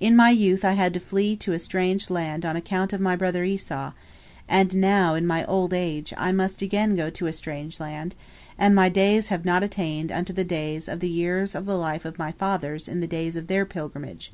In my youth I had to flee to a strange land on account of my brother Esau, and now, in my old age, I must again go to a strange land, and my days have not attained unto the days of the years of the life of my fathers in the days of their pilgrimage."